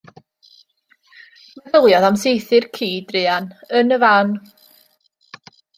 Meddyliodd am saethu'r ci, druan, yn y fan.